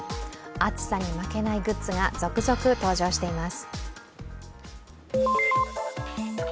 暑さに負けないグッズが続々登場しています。